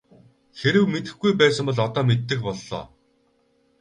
Хэрэв мэдэхгүй байсан бол одоо мэддэг боллоо.